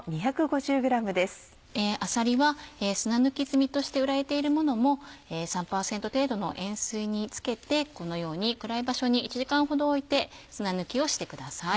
あさりは砂抜き済みとして売られているものも３％程度の塩水につけてこのように暗い場所に１時間ほどおいて砂抜きをしてください。